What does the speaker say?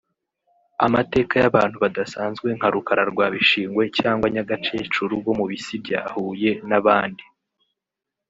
amateka y’abantu badasanzwe nka Rukara rwa Bishingwe cyangwa Nyagakecuru wo mu Bisi bya Huye n’abandi